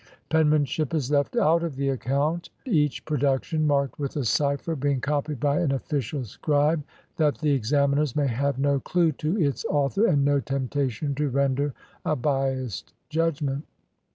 Penmanship is left out of the account — each produc tion, marked with a cipher, being copied by an official scribe, that the examiners may have no clew to its author and no temptation to render a biased judgment.